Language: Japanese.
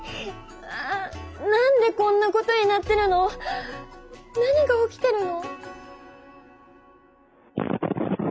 あ何でこんなことになってるの？何が起きてるの？